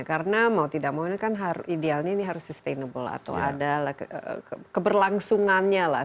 karena mau tidak mau ini kan idealnya ini harus sustainable atau ada keberlangsungannya lah